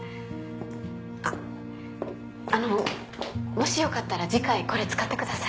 あっあのもしよかったら次回これ使ってください。